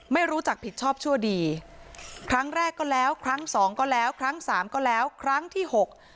ไม่รู้จักผิดชอบชั่วดีครั้งแรกก็แล้วครั้งสองก็แล้วครั้งสามก็แล้วครั้งที่หก